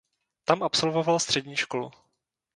Tam absolvoval střední školu.